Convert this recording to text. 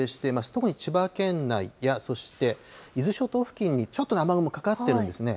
特に千葉県内や、そして、伊豆諸島付近にちょっと雨雲かかってるんですね。